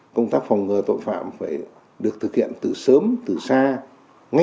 công tác phòng ngừa tội phạm phải được thực hiện từ sớm từ xa ngay